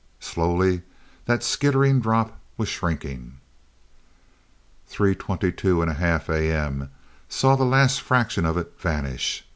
Slowly that skittering drop was shrinking Three twenty two and a half A.M. saw the last fraction of it vanish.